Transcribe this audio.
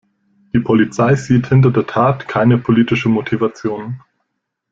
Die Polizei sieht hinter der Tat keine politische Motivation.